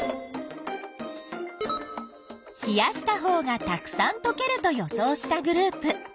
冷やしたほうがたくさんとけると予想したグループ。